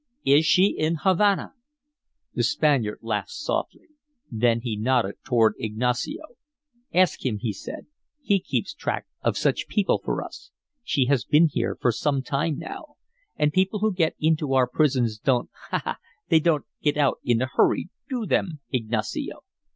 "Is she in Havana?" The Spaniard laughed softly. Then he nodded toward Ignacio. "Ask him," he said. "He keeps track of such people for us. She has been here some time now; and people who get into our prisons don't ha! ha! they don't get out in a hurry, do them, Ignacio?"